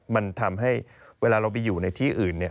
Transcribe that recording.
มันทำให้เวลาเราไปอยู่ในที่อื่น